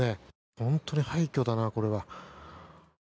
本当に廃虚だな、これは。